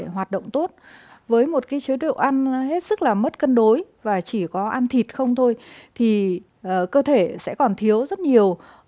hết sức là hạn chế